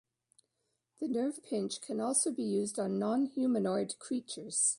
The nerve pinch can also be used on non-humanoid creatures.